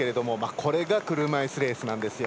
これが車いすレースなんですよ。